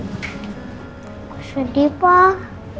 aku sedih pak